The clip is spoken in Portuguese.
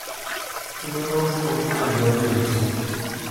Eu não estou esfregando isso.